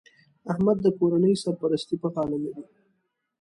احمد د کورنۍ سرپرستي په غاړه لري